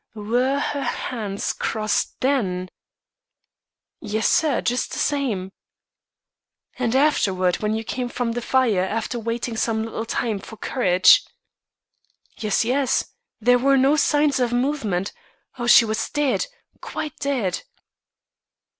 "Were her hands crossed then?" "Yes, sir, just the same." "And afterward, when you came from the fire after waiting some little time for courage?" "Yes, yes. There were no signs of movement. Oh, she was dead quite dead."